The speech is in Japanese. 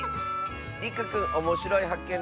りくくんおもしろいはっけん